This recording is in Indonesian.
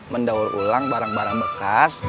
mendaur ulang barang barang bekas